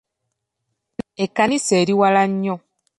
Ekkanisa eri wala nnyo.